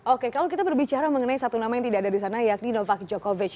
oke kalau kita berbicara mengenai satu nama yang tidak ada di sana yakni novac jokovic